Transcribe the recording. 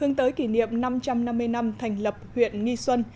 hướng tới kỷ niệm năm trăm năm mươi năm thành lập huyện nghi xuân